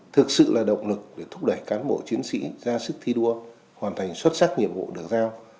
thực sự là động lực để thúc đẩy cán bộ chiến sĩ ra sức thi đua hoàn thành xuất sắc nhiệm vụ được giao